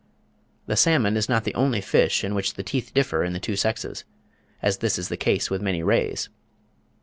The salmon is not the only fish in which the teeth differ in the two sexes; as this is the case with many rays.